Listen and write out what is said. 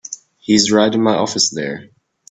He's right in my office there.